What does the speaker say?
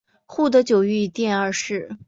护得久御殿二世。